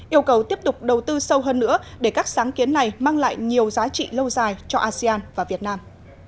yêu cầu tiếp tục đầu tư sâu hơn nữa để các sáng kiến này mang lại nhiều giá trị lâu dài cho asean và việt nam